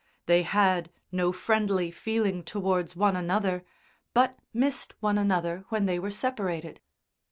They had no friendly feeling towards one another, but missed one another when they were separated.